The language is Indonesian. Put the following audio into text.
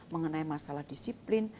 mengenai masalah disiplin